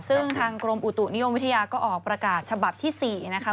ซึ่งทางกรมอุตุนิยมวิทยาก็ออกประกาศฉบับที่๔นะคะ